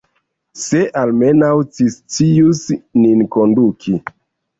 Se almenaŭ ci scius nin konduki!